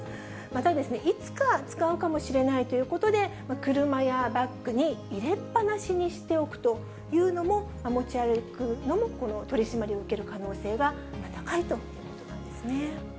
また、いつか使うかもしれないということで、車やバッグに入れっぱなしにしておくというのも、持ち歩くのも、この取締りを受ける可能性が高いということです。